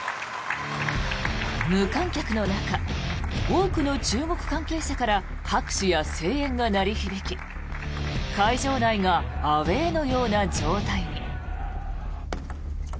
無観客の中多くの中国関係者から拍手や声援が鳴り響き会場内がアウェーのような状態に。